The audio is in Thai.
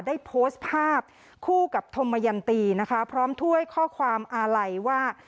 ได้โพสต์ภาพคู่กับธมยันตีนะคะพร้อมถ้วยข้อความอาลัยว่า